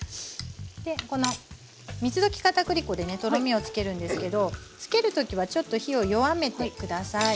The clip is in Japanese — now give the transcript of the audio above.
でこの水溶き片栗粉でとろみをつけるんですけどつける時はちょっと火を弱めて下さい。